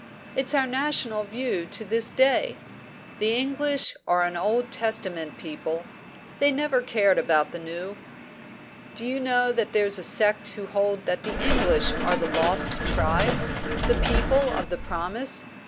It's our national view to this day. The English are an Old Testament people; they never cared about the New. Do you know that there's a sect who hold that the English are the Lost Tribes the People of the Promise?